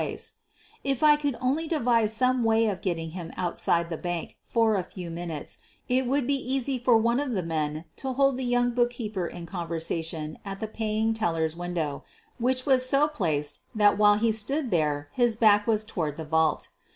218 SOPHIE LYONS If I could only devise some way of getting him out side the bank for a few minutes it would be easy for one of the men to hold the young bookkeeper in con versation at the paying teller's window, which was so placed that while he stood there his back was POSING AS A WEALTHY CRIPPLED OLD WIDOW toward the vault.